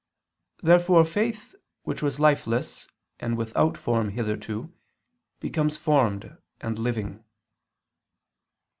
Therefore faith which was lifeless and without form hitherto, becomes formed and living.